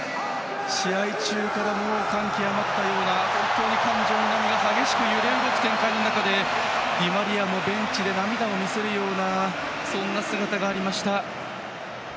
試合中から感極まったような本当に感情の波が激しく揺れ動く展開の中でディマリアもベンチで涙を見せるようなそんな姿がありました。